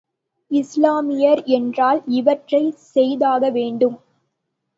இஸ்லாமியர் என்றால், இவற்றைச் செய்தாக வேண்டும்.